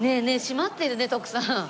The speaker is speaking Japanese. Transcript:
閉まってるね徳さん。